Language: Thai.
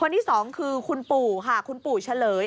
ที่สองคือคุณปู่ค่ะคุณปู่เฉลย